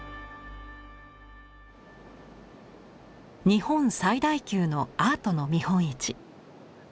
日本最大級のアートの見本市。